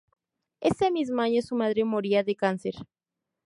Ese mismo año su madre moría de cáncer.